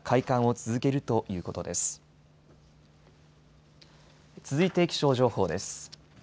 続いて気象情報です。